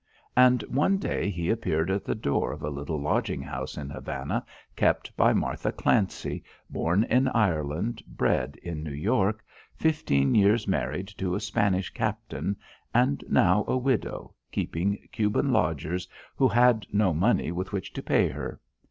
And one day he appeared at the door of a little lodging house in Havana kept by Martha Clancy, born in Ireland, bred in New York, fifteen years married to a Spanish captain, and now a widow, keeping Cuban lodgers who had no money with which to pay her.